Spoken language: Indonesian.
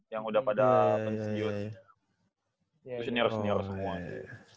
yang udah pada senior senior semua